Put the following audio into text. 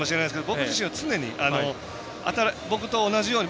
僕自身は常に僕と同じように。